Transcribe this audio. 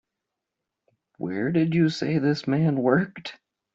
Where did you say this man worked?